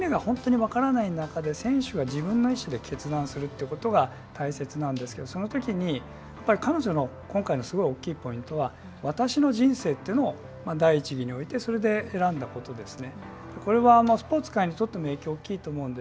そのときに、境目が本当に分からない中で選手が自分の意思で決断するということが大切なんですけどそのときにやっぱり彼女の今回のすごい大きいポイントは私の人生というのを第一義に置いてそれを選んだことですね。